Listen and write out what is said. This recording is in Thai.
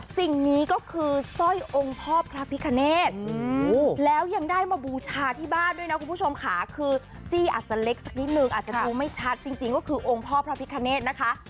สิ่งนี้ก็คือสร้อยองค์พ่อพระพิคเนธแล้วยังได้มาบูชาที่บ้านด้วยนะคุณผู้ชมค่ะคือจี้อาจจะเล็กสักนิดนึงอาจจะดูไม่ชัดจริงก็คือองค์พ่อพระพิคเนธนะคะ